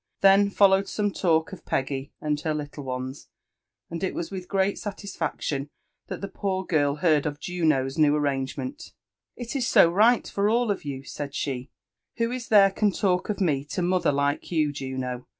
Then followed some talk of P^^ggy and her little ooea ; and it was with great gatigfaction that the poor girl beard of Juno's new } arrangement, '' It ig go right for all of you V gaid she ;*' who ia there can talk of me to mother like you, Juno?